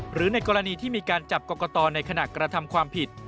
หรือในกรณีที่มีการจับกรกตในขณะกระทำความผิด